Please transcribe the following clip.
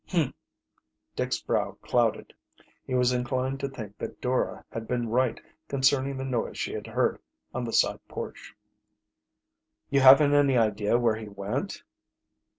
"Humph!" Dick's brow clouded. He was inclined to think that Dora had been right concerning the noise she had heard on the side porch. "You haven't any idea where he went?"